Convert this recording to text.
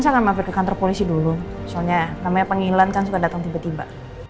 saya akan mampir ke kantor polisi dulu soalnya namanya panggilan kan suka datang tiba tiba